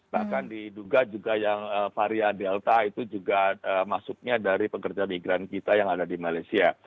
bahkan diduga juga yang varian delta itu juga masuknya dari pekerja migran kita yang ada di malaysia